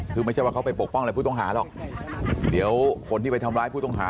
คือไม่ใช่ว่าเขาไปปกป้องอะไรผู้ต้องหาหรอกเดี๋ยวคนที่ไปทำร้ายผู้ต้องหา